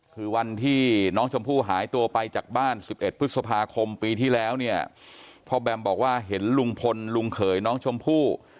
คือวันที่น้องชมพู่หายตัวไปจากบ้าน๑๑พฤษภาคมปีที่แล้วเนี่ยพ่อแบมบอกว่าเห็นลุงพลลุงเขยน้องชมพู่